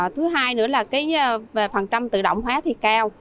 thứ hai nữa là phần trăm tự động hóa thì cao